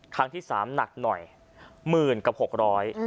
ครั้งที่๓ตอนหนักหน่อย๑๐๐๐๐กับ๖๐๐บาท